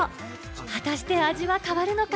果たして味は変わるのか？